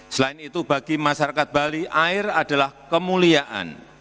selain itu bagi masyarakat bali air adalah kemuliaan